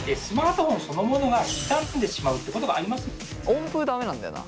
温風駄目なんだよな。